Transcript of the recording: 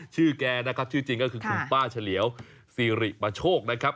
แกนะครับชื่อจริงก็คือคุณป้าเฉลียวซีริประโชคนะครับ